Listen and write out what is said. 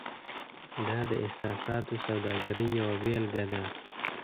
دا د احساساتو سوداګرۍ یوه بیلګه ده.